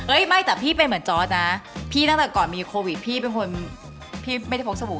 ไม่แต่พี่เป็นเหมือนจอร์ดนะพี่ตั้งแต่ก่อนมีโควิดพี่เป็นคนพี่ไม่ได้พกสบู่